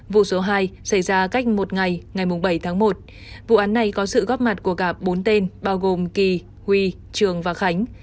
vụ số hai xảy ra cách một ngày ngày bảy tháng một vụ án này có sự góp mặt của cả bốn tên bao gồm kỳ huy trường và khánh